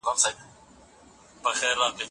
پوهنتون به د استادانو لپاره نوي قوانین جوړ کړي.